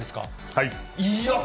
はい。